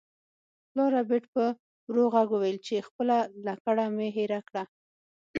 پلار ربیټ په ورو غږ وویل چې خپله لکړه مې هیره کړه